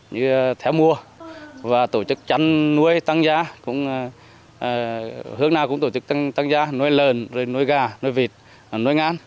như theo mùa và tổ chức chăn nuôi tăng gia hướng nào cũng tổ chức tăng gia nuôi lờn nuôi gà nuôi vịt nuôi ngán